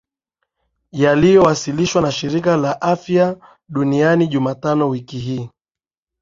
yaliyowasilihwa na Shirika la Afya Duniani Jumataano wiki hii